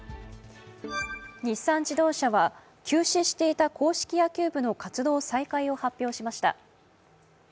日産自動車は休止していた硬式野球部の活動再開を発表しました。